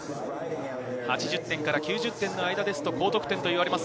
８０点から９０点の間ですと高得点です。